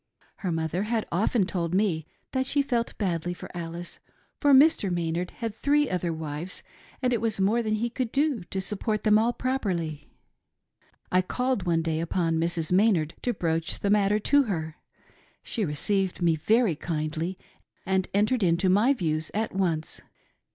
Her mother had often told me that she felt badly for Alice, for Mr. Maynard had three other wives and it was more than he could do to sup port them all properly " I called one day upon Mrs. Maynard to broach the matter to her. She received me very kindly and entered into my views at once.